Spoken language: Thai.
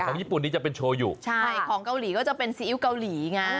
ญี่ปุ่นนี้จะเป็นโชว์อยู่ใช่ของเกาหลีก็จะเป็นซีอิ๊วเกาหลีไง